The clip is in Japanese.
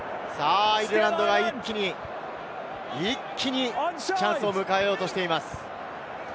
アイルランドは一気に、一気にチャンスを迎えようとしています。